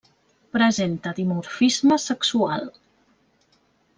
Presenta dimorfisme sexual.